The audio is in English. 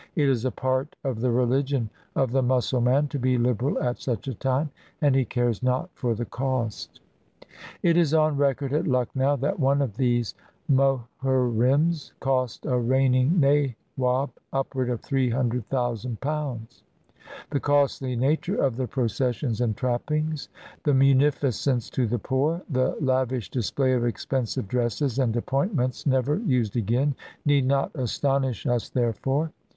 It is a part of the religion of the Mussul man to be Uberal at such a time, and he cares not for the cost. It is on record at Lucknow that one of these Mohur rims cost a reigning nawab upward of three hundred thousand pounds; the costly nature of the processions and trappings — the munificence to the poor — the lavish display of expensive dresses and appointments, never used again, need not astonish us therefore.